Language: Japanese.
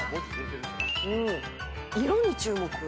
色に注目？